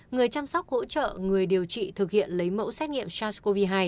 người chăm sóc hỗ trợ người điều trị thực hiện lấy mẫu xét nghiệm sars cov hai